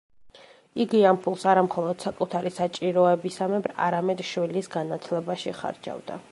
იგი ამ ფულს არა მხოლოდ საკუთარი საჭიროებისამებრ, არამედ შვილის განათლებაში ხარჯავდა.